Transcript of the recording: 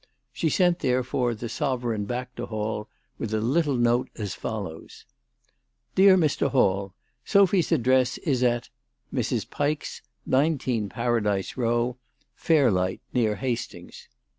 She sent, therefore, the sovereign back to Hall with a little note as follows :" DEAR MR. HALL, Sophy's address is at " Mrs. Pike's, "19, Paradise Eow, " Fairlight, near Hastings.